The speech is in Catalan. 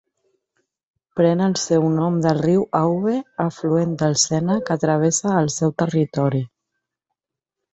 Pren el seu nom del riu Aube, afluent del Sena, que travessa el seu territori.